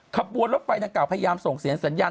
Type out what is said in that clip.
ขบวนรถไฟดังกล่าพยายามส่งเสียงสัญญาณ